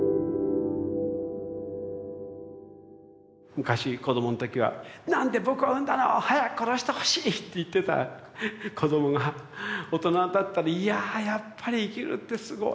昔子どもの時は「なんで僕を産んだの！早く殺してほしい！」って言ってた子どもが大人になったら「いやぁやっぱり生きるってすごいなぁ」